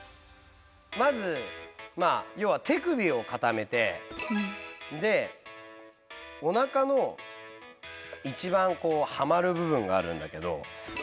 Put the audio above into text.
まずまあようは手首を固めてでおなかのいちばんこうはまるぶぶんがあるんだけど。